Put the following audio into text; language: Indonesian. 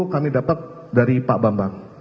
tetap dari pak bambang